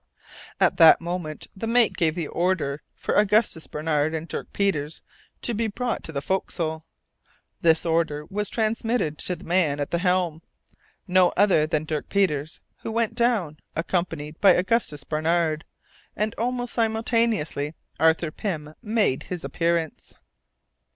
At that moment the mate gave the order for Augustus Barnard and Dirk Peters to be brought to the forecastle. This order was transmitted to the man at the helm, no other than Dirk Peters, who went down, accompanied by Augustus Barnard, and almost simultaneously Arthur Pym made his appearance.